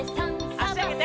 あしあげて。